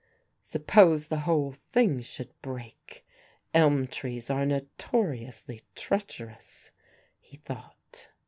"Suppose the whole thing should break, elm trees are notoriously treacherous," he thought.